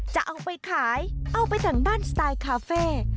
จะเอาไปขายเอาไปแต่งบ้านสไตล์คาเฟ่